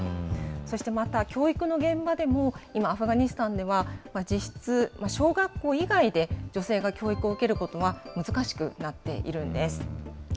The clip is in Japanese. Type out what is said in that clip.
そしてまた、教育の現場でも今、アフガニスタンでは実質小学校以外で女性が教育を受けることが難しくなっているんです。